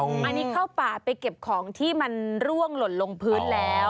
อันนี้เข้าป่าไปเก็บของที่มันร่วงหล่นลงพื้นแล้ว